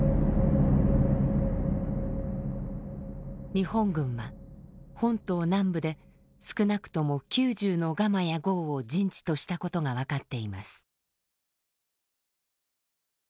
日本軍は本島南部で少なくとも９０のガマや壕を陣地としたことが分かっています。